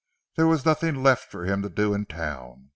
There was nothing left for him to do in Town.